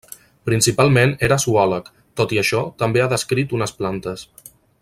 Principalment era zoòleg, tot i això, també ha descrit unes plantes.